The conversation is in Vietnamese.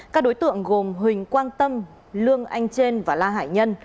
các đối tượng gồm huỳnh quang tâm lương anh trên và la hải nhân